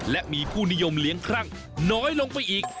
และมีผู้นิยมเลี้ยงครั่งน้อยลงไปอีก